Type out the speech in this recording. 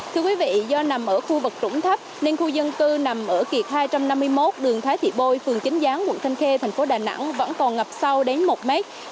thưa quý vị do nằm ở khu vực trũng thấp nên khu dân cư nằm ở kiệt hai trăm năm mươi một đường thái thị bôi phường chính gián quận thanh khê thành phố đà nẵng vẫn còn ngập sâu đến một mét